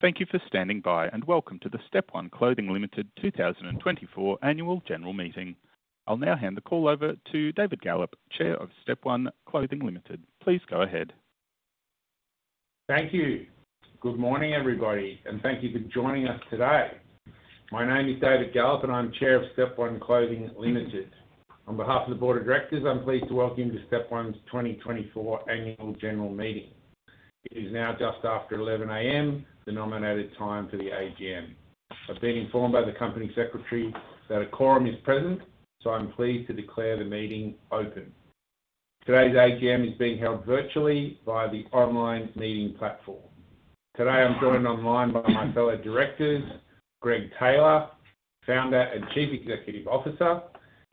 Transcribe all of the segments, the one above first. Thank you for standing by and welcome to the Step One Clothing Limited 2024 Annual General Meeting. I'll now hand the call over to David Gallop, Chair of Step One Clothing Limited. Please go ahead. Thank you. Good morning, everybody, and thank you for joining us today. My name is David Gallop, and I'm Chair of Step One Clothing Limited. On behalf of the Board of Directors, I'm pleased to welcome you to Step One's 2024 Annual General Meeting. It is now just after 11:00 A.M., the nominated time for the AGM. I've been informed by the Company Secretary that a quorum is present, so I'm pleased to declare the meeting open. Today's AGM is being held virtually via the online meeting platform. Today I'm joined online by my fellow directors, Greg Taylor, Founder and Chief Executive Officer,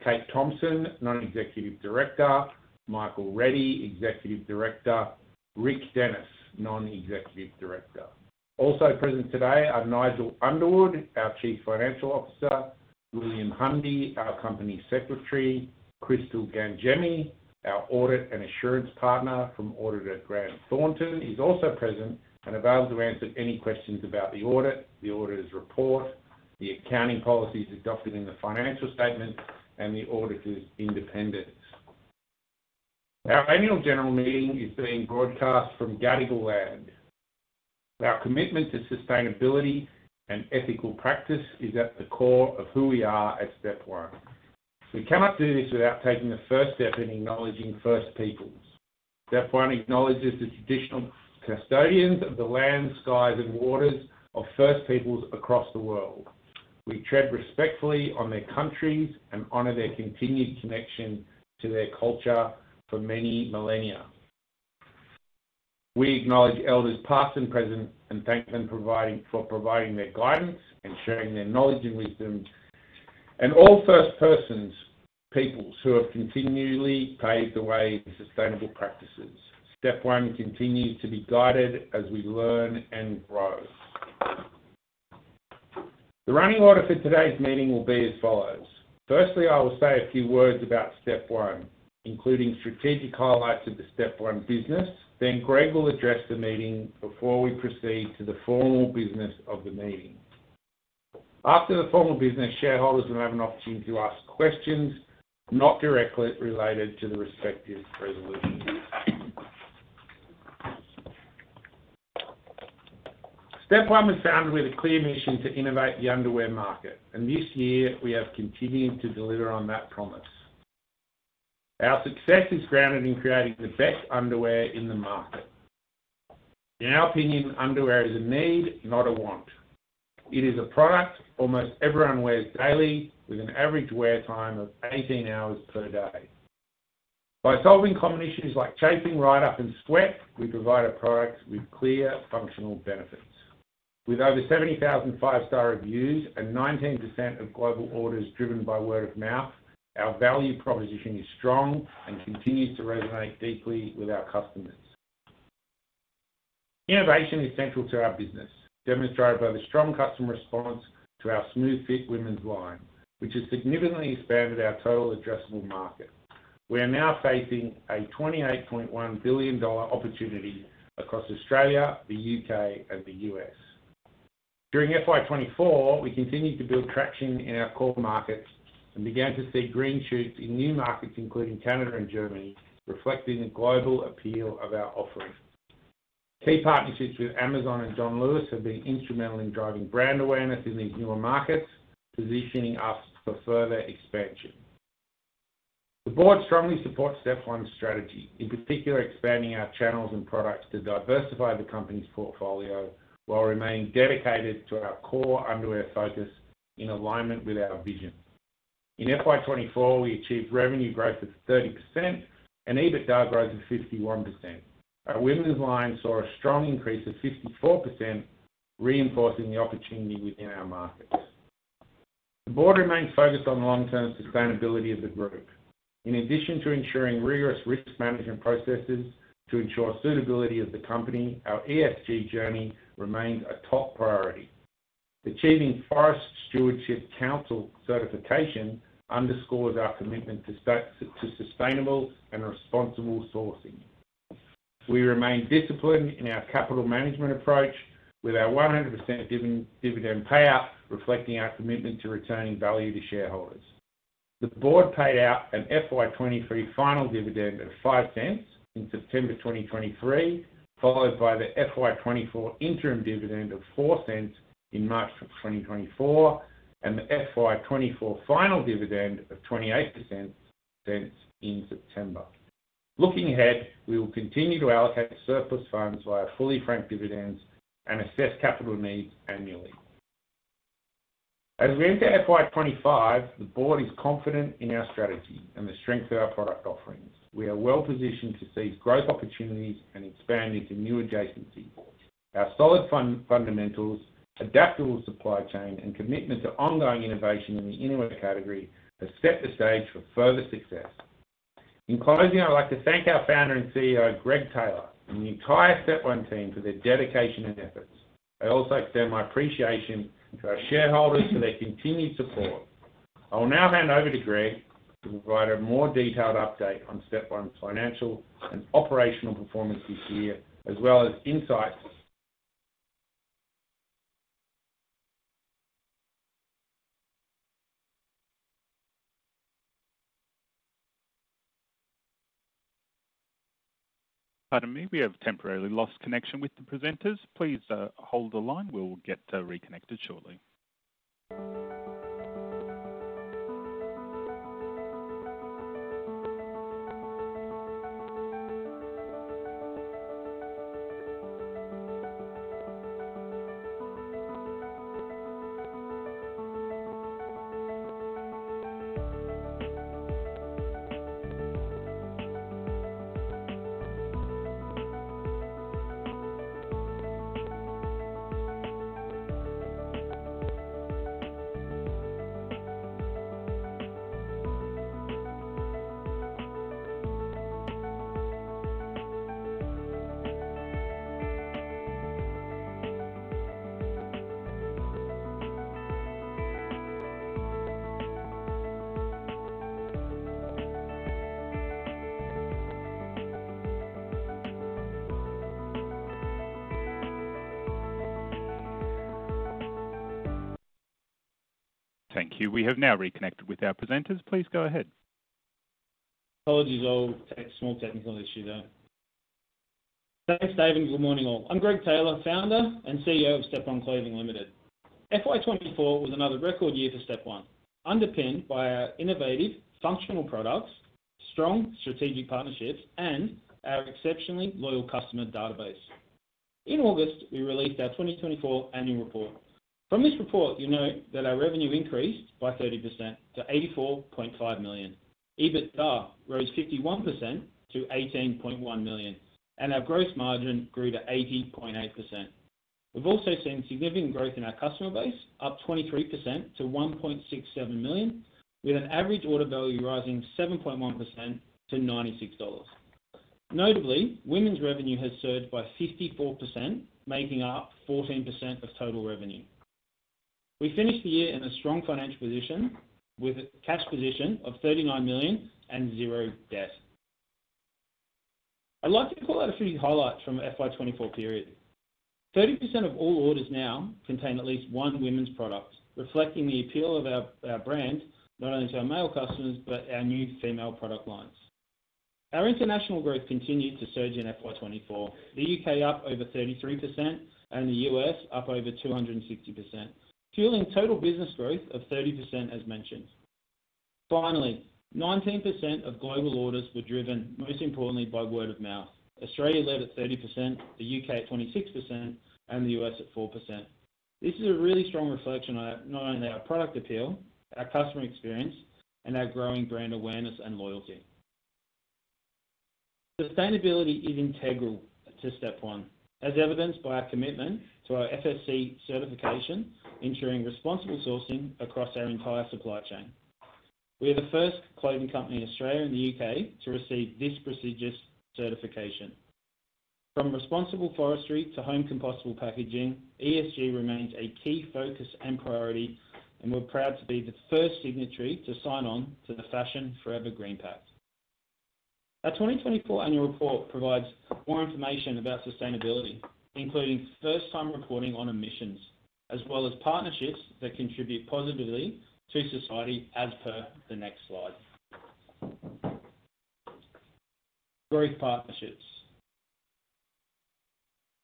Kate Thompson, Non-Executive Director, Michael Reddie, Executive Director, Rick Dennis, Non-Executive Director. Also present today are Nigel Underwood, our Chief Financial Officer. William Hundy, our Company Secretary. Crystal Gangemi, our Audit and Assurance Partner from our auditor Grant Thornton, is also present and available to answer any questions about the audit, the auditor's report, the accounting policies adopted in the financial statements, and the auditor's independence. Our Annual General Meeting is being broadcast from Gadigal land. Our commitment to sustainability and ethical practice is at the core of who we are at Step One. We cannot do this without taking the first step in acknowledging First Peoples. Step One acknowledges the traditional custodians of the lands, skies, and waters of First Peoples across the world. We tread respectfully on their countries and honor their continued connection to their culture for many millennia. We acknowledge elders past and present and thank them for providing their guidance and sharing their knowledge and wisdom, and all First Peoples who have continually paved the way to sustainable practices. Step One continues to be guided as we learn and grow. The running order for today's meeting will be as follows. Firstly, I will say a few words about Step One, including strategic highlights of the Step One business. Then Greg will address the meeting before we proceed to the formal business of the meeting. After the formal business, shareholders will have an opportunity to ask questions not directly related to the respective resolutions. Step One was founded with a clear mission to innovate the underwear market, and this year we have continued to deliver on that promise. Our success is grounded in creating the best underwear in the market. In our opinion, underwear is a need, not a want. It is a product almost everyone wears daily, with an average wear time of 18 hours per day. By solving common issues like chafing, ride-up, and sweat, we provide a product with clear functional benefits. With over 70,000 five-star reviews and 19% of global orders driven by word of mouth, our value proposition is strong and continues to resonate deeply with our customers. Innovation is central to our business, demonstrated by the strong customer response to our SmoothFit women's line, which has significantly expanded our total addressable market. We are now facing a $28.1 billion opportunity across Australia, the U.K., and the U.S. During FY24, we continued to build traction in our core markets and began to see green shoots in new markets, including Canada and Germany, reflecting the global appeal of our offering. Key partnerships with Amazon and John Lewis have been instrumental in driving brand awareness in these newer markets, positioning us for further expansion. The board strongly supports Step One's strategy, in particular expanding our channels and products to diversify the company's portfolio while remaining dedicated to our core underwear focus in alignment with our vision. In FY24, we achieved revenue growth of 30% and EBITDA growth of 51%. Our women's line saw a strong increase of 54%, reinforcing the opportunity within our markets. The board remains focused on the long-term sustainability of the group. In addition to ensuring rigorous risk management processes to ensure suitability of the company, our ESG journey remains a top priority. Achieving Forest Stewardship Council certification underscores our commitment to sustainable and responsible sourcing. We remain disciplined in our capital management approach, with our 100% dividend payout reflecting our commitment to returning value to shareholders. The board paid out an FY23 final dividend of 0.05 in September 2023, followed by the FY24 interim dividend of 0.04 in March 2024, and the FY24 final dividend of 28% in September. Looking ahead, we will continue to allocate surplus funds via fully franked dividends and assess capital needs annually. As we enter FY25, the board is confident in our strategy and the strength of our product offerings. We are well positioned to seize growth opportunities and expand into new adjacencies. Our solid fundamentals, adaptable supply chain, and commitment to ongoing innovation in the innerwear category have set the stage for further success. In closing, I'd like to thank our Founder and CEO, Greg Taylor, and the entire Step One team for their dedication and efforts. I also extend my appreciation to our shareholders for their continued support. I will now hand over to Greg to provide a more detailed update on Step One's financial and operational performance this year, as well as insights. Pardon, maybe you have temporarily lost connection with the presenters. Please hold the line. We'll get reconnected shortly. Thank you. We have now reconnected with our presenters. Please go ahead. Apologies, all. Tech small technical issue there. Thanks, David. And good morning, all. I'm Greg Taylor, Founder and CEO of Step One Clothing Limited. FY24 was another record year for Step One, underpinned by our innovative, functional products, strong strategic partnerships, and our exceptionally loyal customer database. In August, we released our 2024 Annual Report. From this report, you'll note that our revenue increased by 30% to 84.5 million. EBITDA rose 51% to 18.1 million, and our gross margin grew to 80.8%. We've also seen significant growth in our customer base, up 23% to 1.67 million, with an average order value rising 7.1% to 96 dollars. Notably, women's revenue has surged by 54%, making up 14% of total revenue. We finished the year in a strong financial position with a cash position of 39 million and zero debt. I'd like to call out a few highlights from our FY24 period. 30% of all orders now contain at least one women's product, reflecting the appeal of our brand not only to our male customers but our new female product lines. Our international growth continued to surge in FY24, the U.K. up over 33%, and the U.S. up over 260%, fueling total business growth of 30%, as mentioned. Finally, 19% of global orders were driven, most importantly, by word of mouth. Australia led at 30%, the U.K. at 26%, and the U.S. at 4%. This is a really strong reflection of not only our product appeal, our customer experience, and our growing brand awareness and loyalty. Sustainability is integral to Step One, as evidenced by our commitment to our FSC certification, ensuring responsible sourcing across our entire supply chain. We are the first clothing company in Australia and the U.K. to receive this prestigious certification. From responsible forestry to home compostable packaging, ESG remains a key focus and priority, and we're proud to be the first signatory to sign on to the Fashion Forever Green Pact. Our 2024 Annual Report provides more information about sustainability, including first-time reporting on emissions, as well as partnerships that contribute positively to society, as per the next slide. Growth partnerships.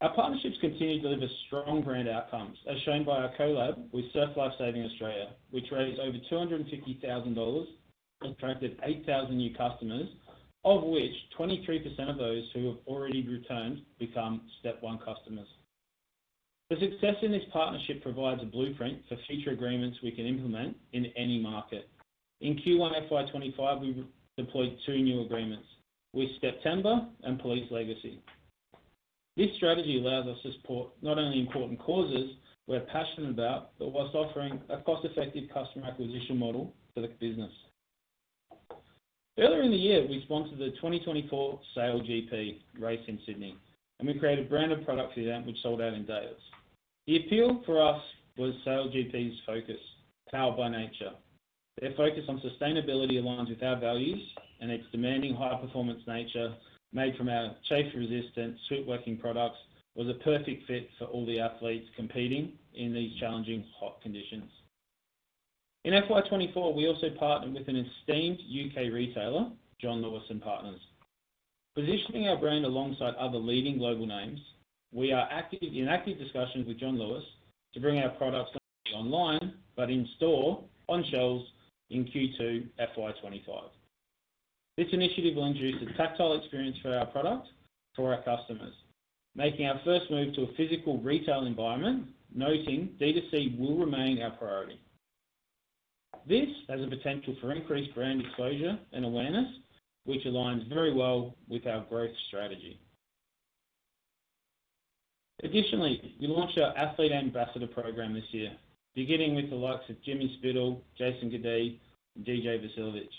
Our partnerships continue to deliver strong brand outcomes, as shown by our collab with Surf Life Saving Australia, which raised over 250,000 dollars and attracted 8,000 new customers, of which 23% of those who have already returned become Step One customers. The success in this partnership provides a blueprint for future agreements we can implement in any market. In Q1 FY25, we deployed two new agreements with STEPtember and Police Legacy. This strategy allows us to support not only important causes we're passionate about, but whilst offering a cost-effective customer acquisition model for the business. Earlier in the year, we sponsored the 2024 SailGP race in Sydney, and we created a branded product for that, which sold out in days. The appeal for us was SailGP's focus, powered by nature. Their focus on sustainability aligns with our values, and its demanding, high-performance nature made our chafe-resistant, sweat-wicking products a perfect fit for all the athletes competing in these challenging, hot conditions. In FY24, we also partnered with an esteemed UK retailer, John Lewis & Partners. Positioning our brand alongside other leading global names, we are in active discussions with John Lewis to bring our products not only online but in store, on shelves in Q2 FY25. This initiative will introduce a tactile experience for our product for our customers, making our first move to a physical retail environment, noting D2C will remain our priority. This has the potential for increased brand exposure and awareness, which aligns very well with our growth strategy. Additionally, we launched our Athlete Ambassador program this year, beginning with the likes of Jimmy Spithill, Jason Cadee, and DJ Vasiljevic.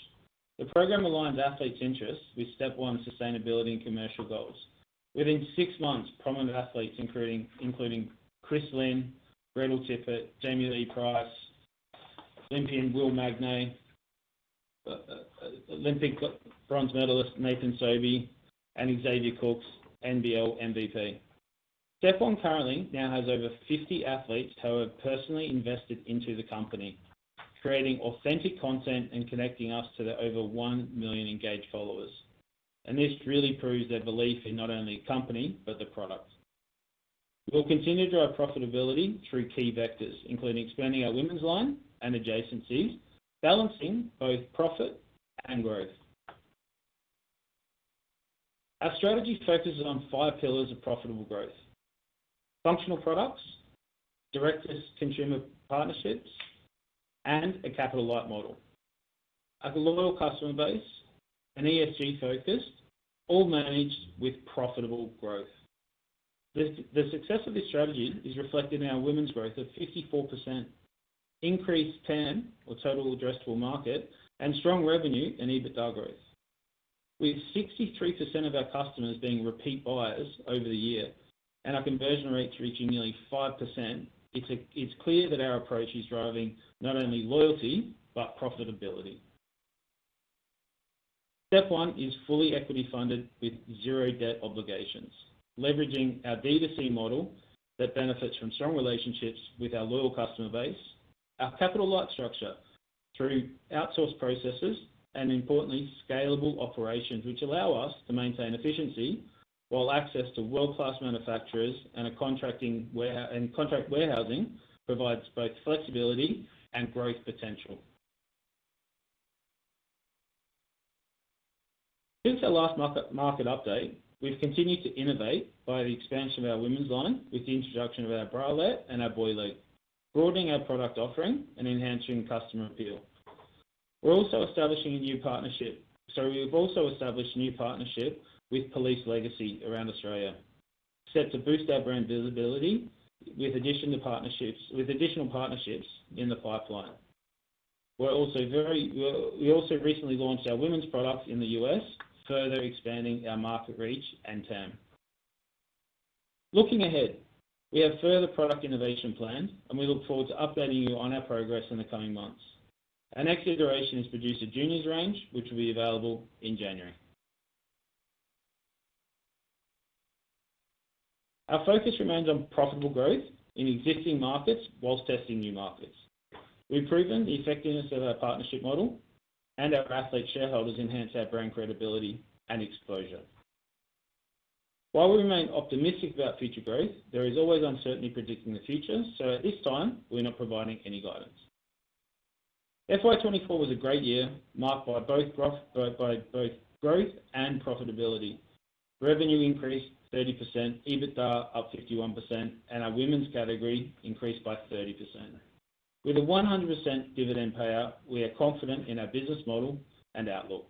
The program aligns athletes' interests with Step One's sustainability and commercial goals. Within six months, prominent athletes including Chris Lynn, Gretel Tippett, Jamie-Lee Price, Olympian Will Magnay, Olympic bronze medalist Nathan Sobey, and Xavier Cooks, NBL MVP. Step One currently now has over 50 athletes who have personally invested into the company, creating authentic content and connecting us to their over one million engaged followers. This really proves their belief in not only the company but the product. We'll continue to drive profitability through key vectors, including expanding our women's line and adjacencies, balancing both profit and growth. Our strategy focuses on five pillars of profitable growth: functional products, direct-to-consumer partnerships, and a capital-light model. Our loyal customer base and ESG-focused all manage with profitable growth. The success of this strategy is reflected in our women's growth of 54%, increased TAM, or total addressable market, and strong revenue and EBITDA growth. With 63% of our customers being repeat buyers over the year and our conversion rate reaching nearly 5%, it's clear that our approach is driving not only loyalty but profitability. Step One is fully equity-funded with zero debt obligations, leveraging our D2C model that benefits from strong relationships with our loyal customer base, our capital-light structure through outsourced processes, and importantly, scalable operations, which allow us to maintain efficiency while access to world-class manufacturers and contract warehousing provides both flexibility and growth potential. Since our last market update, we've continued to innovate by the expansion of our women's line with the introduction of our bralette and our boyleg, broadening our product offering and enhancing customer appeal. We've also established a new partnership with Police Legacy around Australia, set to boost our brand visibility with additional partnerships in the pipeline. We also recently launched our women's product in the U.S., further expanding our market reach and TAM. Looking ahead, we have further product innovation planned, and we look forward to updating you on our progress in the coming months. Our next iteration is the Juniors range, which will be available in January. Our focus remains on profitable growth in existing markets whilst testing new markets. We've proven the effectiveness of our partnership model, and our athlete shareholders enhance our brand credibility and exposure. While we remain optimistic about future growth, there is always uncertainty predicting the future, so at this time, we're not providing any guidance. FY24 was a great year marked by both growth and profitability. Revenue increased 30%, EBITDA up 51%, and our women's category increased by 30%. With a 100% dividend payout, we are confident in our business model and outlook.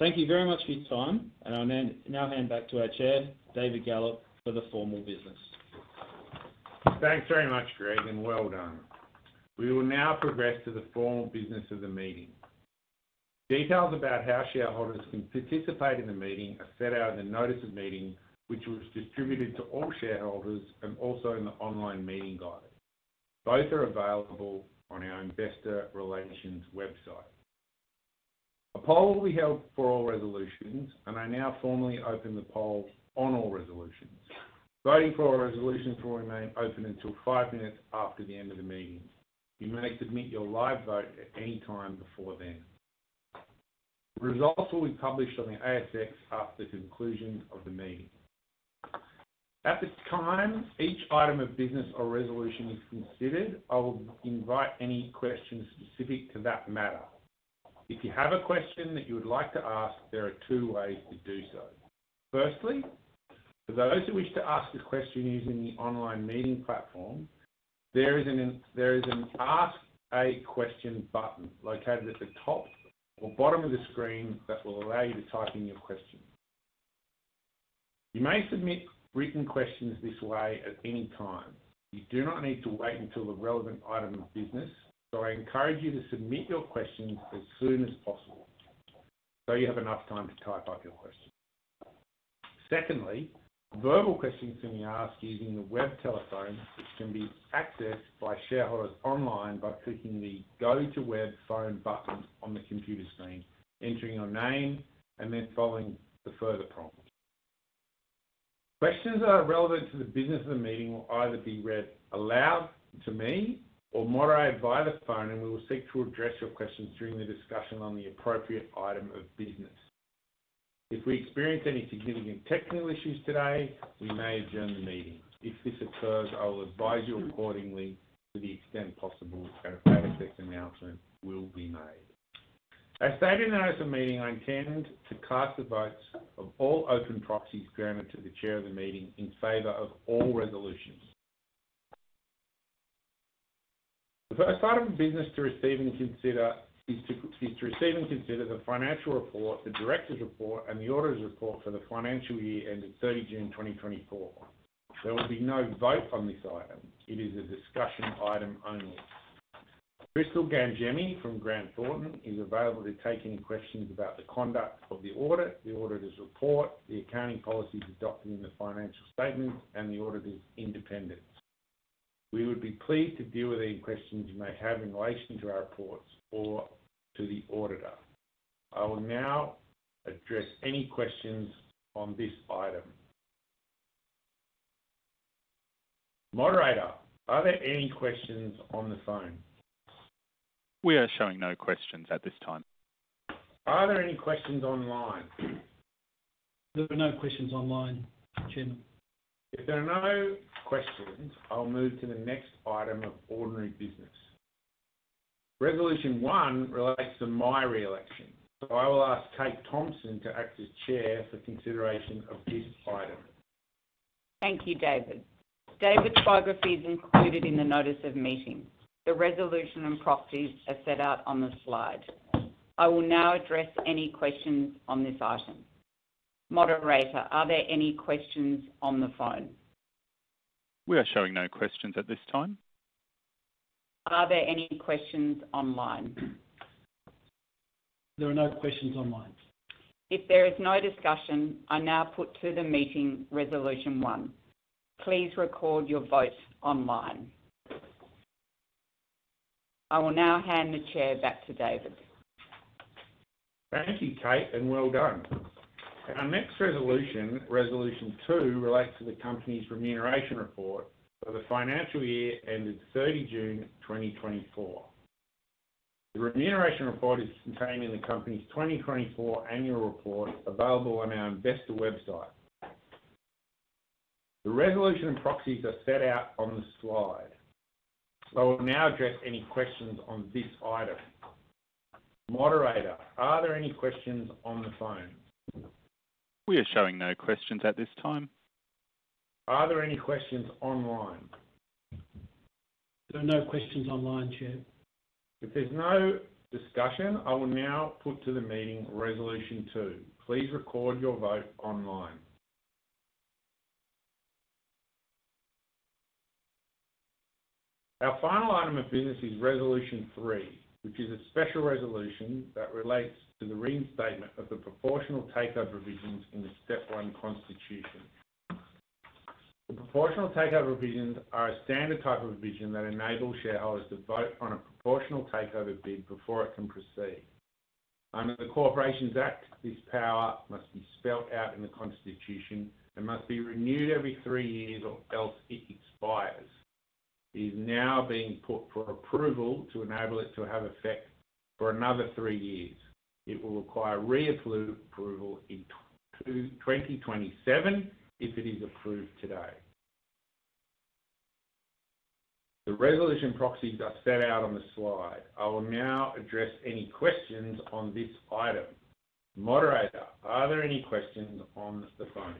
Thank you very much for your time, and I'll now hand back to our Chair, David Gallop, for the formal business. Thanks very much, Greg, and well done. We will now progress to the formal business of the meeting. Details about how shareholders can participate in the meeting are set out in the notice of meeting, which was distributed to all shareholders and also in the online meeting guide. Both are available on our investor relations website. A poll will be held for all resolutions, and I now formally open the poll on all resolutions. Voting for all resolutions will remain open until five minutes after the end of the meeting. You may submit your live vote at any time before then. The results will be published on the ASX after the conclusion of the meeting. At the time each item of business or resolution is considered, I will invite any questions specific to that matter. If you have a question that you would like to ask, there are two ways to do so. Firstly, for those who wish to ask a question using the online meeting platform, there is an Ask a Question button located at the top or bottom of the screen that will allow you to type in your question. You may submit written questions this way at any time. You do not need to wait until the relevant item of business, so I encourage you to submit your questions as soon as possible so you have enough time to type up your question. Secondly, verbal questions can be asked using the web telephone, which can be accessed by shareholders online by clicking the Go to Web Phone button on the computer screen, entering your name, and then following the further prompt. Questions that are relevant to the business of the meeting will either be read aloud to me or moderated via the phone, and we will seek to address your questions during the discussion on the appropriate item of business. If we experience any significant technical issues today, we may adjourn the meeting. If this occurs, I will advise you accordingly to the extent possible. An ASX announcement will be made. As stated in the notice of meeting, I intend to cast the votes of all open proxies granted to the chair of the meeting in favor of all resolutions. The first item of business to receive and consider is to receive and consider the financial report, the director's report, and the auditor's report for the financial year ended 30 June 2024. There will be no vote on this item. It is a discussion item only. Crystal Gangemi from Grant Thornton is available to take any questions about the conduct of the audit, the auditor's report, the accounting policies adopted in the financial statements, and the auditor's independence. We would be pleased to deal with any questions you may have in relation to our reports or to the auditor. I will now address any questions on this item. Moderator, are there any questions on the phone? We are showing no questions at this time. Are there any questions online? There are no questions online, Chairman. If there are no questions, I'll move to the next item of ordinary business. Resolution One relates to my reelection, so I will ask Kate Thompson to act as chair for consideration of this item. Thank you, David. David's biography is included in the notice of meeting. The resolution and proxies are set out on the slide. I will now address any questions on this item. Moderator, are there any questions on the phone? We are showing no questions at this time. Are there any questions online? There are no questions online. If there is no discussion, I now put to the meeting Resolution One. Please record your vote online. I will now hand the chair back to David. Thank you, Kate, and well done. Our next resolution, Resolution Two, relates to the company's remuneration report for the financial year ended 30 June 2024. The remuneration report is contained in the company's 2024 annual report available on our investor website. The resolution and proxies are set out on the slide. I will now address any questions on this item. Moderator, are there any questions on the phone? We are showing no questions at this time. Are there any questions online? There are no questions online, Chair. If there's no discussion, I will now put to the meeting Resolution Two. Please record your vote online. Our final item of business is Resolution Three, which is a special resolution that relates to the reinstatement of the proportional takeover provisions in the Step One Constitution. The proportional takeover provisions are a standard type of provision that enables shareholders to vote on a proportional takeover bid before it can proceed. Under the Corporations Act, this power must be spelled out in the Constitution and must be renewed every three years or else it expires. It is now being put for approval to enable it to have effect for another three years. It will require reapproval in 2027 if it is approved today. The resolution proxies are set out on the slide. I will now address any questions on this item. Moderator, are there any questions on the phone?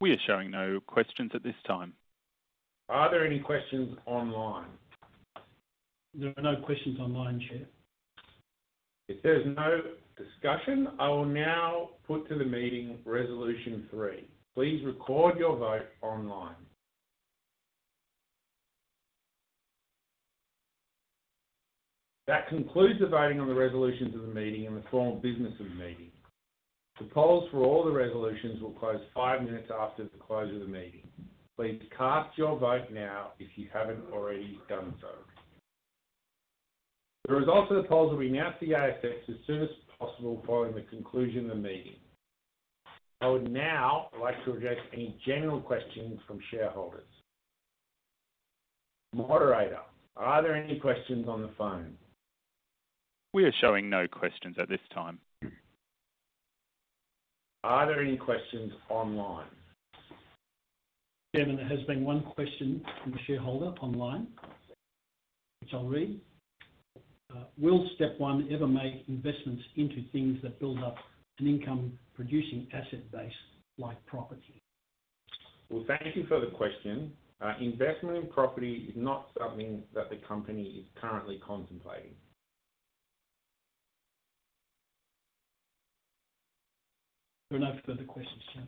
We are showing no questions at this time. Are there any questions online? There are no questions online, Chair. If there's no discussion, I will now put to the meeting Resolution Three. Please record your vote online. That concludes the voting on the resolutions of the meeting and the formal business of the meeting. The polls for all the resolutions will close five minutes after the close of the meeting. Please cast your vote now if you haven't already done so. The results of the polls will be announced to the ASX as soon as possible following the conclusion of the meeting. I would now like to address any general questions from shareholders. Moderator, are there any questions on the phone? We are showing no questions at this time. Are there any questions online? Chairman, there has been one question from a shareholder online, which I'll read. Will Step One ever make investments into things that build up an income-producing asset base like property? Thank you for the question. Investment in property is not something that the company is currently contemplating. There are no further questions, Chair.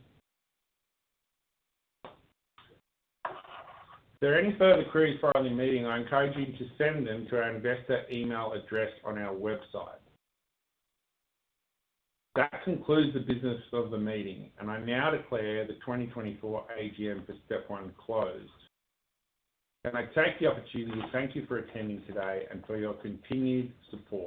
If there are any further queries prior to the meeting, I encourage you to send them to our investor email address on our website. That concludes the business of the meeting, and I now declare the 2024 AGM for Step One closed. Can I take the opportunity to thank you for attending today and for your continued support?